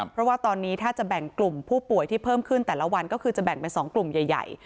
เพราะว่าตอนนี้ถ้าจะแบ่งกลุ่มผู้ป่วยที่เพิ่มขึ้นแต่ละวันก็คือจะแบ่งเป็น๒กลุ่มใหญ่